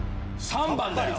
３番だよ！